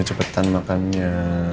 ya cepetan makan ya